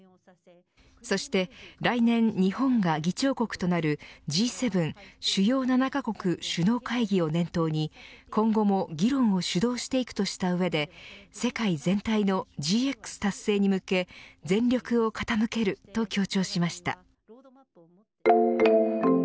そして来年日本が議長国となるＧ７主要７カ国首脳会議を念頭に今後も議論を主導していくとした上で世界全体のＧＸ達成に向け全力を傾けると強調しました。